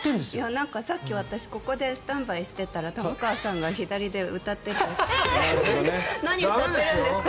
さっき私ここでスタンバイしていたら玉川さんが左で歌っていて何歌ってるんですか？